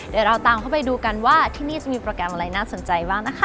เดี๋ยวเราตามเข้าไปดูกันว่าที่นี่จะมีโปรแกรมอะไรน่าสนใจบ้างนะคะ